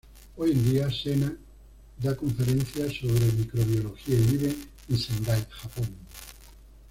Hoy en día, Sena da conferencias sobre microbiología y vive en Sendai, Japón.